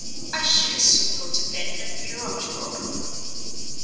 I should as soon go to bed in a bureau drawer."